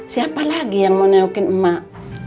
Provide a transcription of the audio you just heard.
siapa lagi yang mau neokin emak